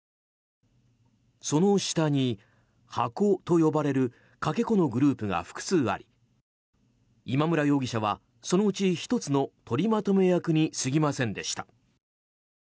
その下にハコと呼ばれるかけ子のグループが複数あり今村容疑者は、そのうち１つの取りまとめ役にすぎませんでした。